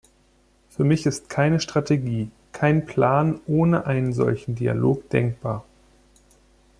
Für mich ist keine Strategie, kein Plan ohne einen solchen Dialog denkbar.